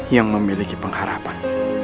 yang memiliki pengharapan